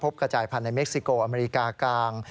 กระจายพันธ์ในเม็กซิโกอเมริกากลาง